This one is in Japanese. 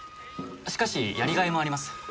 しかしやりがいもあります。